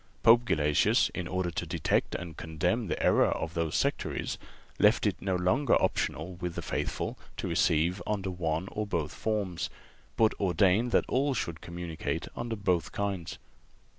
Pope Gelasius, in order to detect and condemn the error of those sectaries, left it no longer optional with the faithful to receive under one or both forms, but ordained that all should communicate under both kinds.